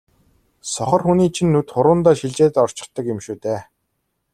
сохор хүний чинь нүд хуруундаа шилжээд орчихдог юм шүү дээ.